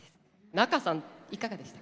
仲さんいかがでした？